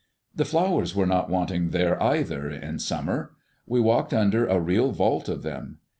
The flowers were not wanting there either in summer; we walked under a real vault of them.